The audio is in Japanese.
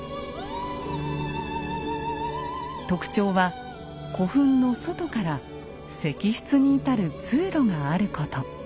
特徴は古墳の外から石室に至る通路があること。